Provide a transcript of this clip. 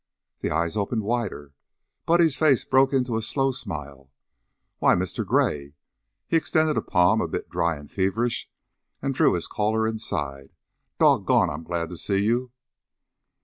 The eyes opened wider, Buddy's face broke into a slow smile. "Why, Mr. Gray!" He extended a palm, a bit dry and feverish, and drew his caller inside. "Dawg_ gone!_ I'm glad to see you."